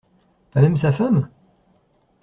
Pas même sa femme ?